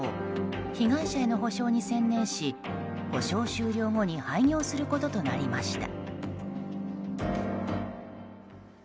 被害者への補償に専念し補償終了後に廃業することとなりました。